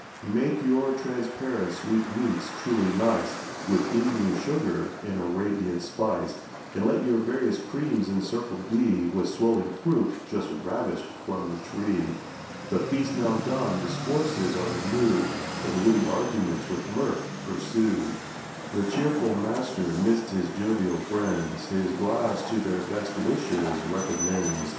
Make your transparent sweetmeats truly nice With Indian sugar and Arabian spice. And let your various creams encircled be With swelling fruit just ravish'd from the tree. The feast now done, discourses are renewed, And witty arguments with mirth pursued; The cheerful master, 'midst his jovial friends, His glass to their best wishes recommends.